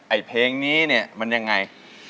ไอ้เพลงนี้เนี่ยมันยังไง